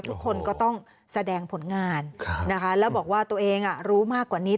ทุกคนก็ต้องแสดงผลงานนะคะแล้วบอกว่าตัวเองรู้มากกว่านี้